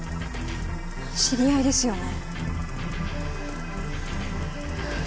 知り合いですよね？